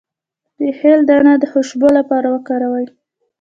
د هل دانه د خوشبو لپاره وکاروئ